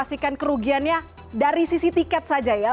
harga perhubungan kerugiannya dari sisi tiket saja ya